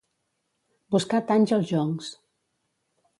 Buscar tanys als joncs.